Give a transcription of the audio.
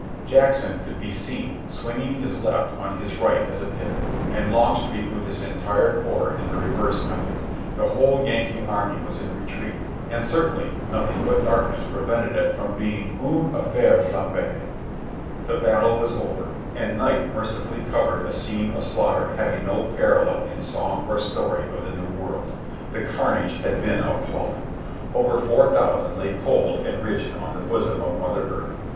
Jackson could be seen 254 JOHNNY REB AND BIL1.Y YANK swinging his left on his right as a pivot, and Long street with his entire corps in the reverse method. The whole Yankee army was in retreat, and certainly nothing but darkness prevented it from be coming line affaire Hambee. The battle was over, and night mercifully covered a scene of slaughter having no parallel in song or story of the New World. The carnage had been appalling. Over four thousand lay cold and rigid on the bosom of Mother Earth.